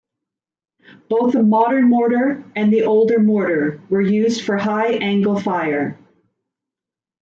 Both the modern mortar and the older mortar were used for high angle fire.